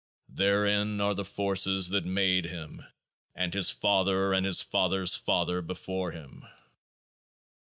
Therein are the forces that made him and his father and his father's father before him.